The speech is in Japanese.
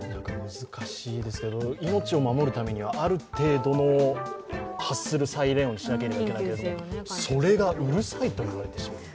難しいですけど、命を守るためにはある程度の発するサイレン音にしなければいけない、それがうるさいと言われてしまう。